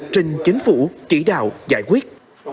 trình chính phủ chỉ đạo giải quyết